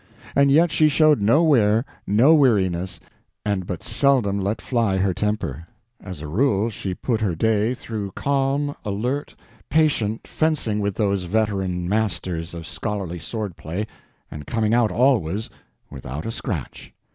And yet she showed no wear, no weariness, and but seldom let fly her temper. As a rule she put her day through calm, alert, patient, fencing with those veteran masters of scholarly sword play and coming out always without a scratch.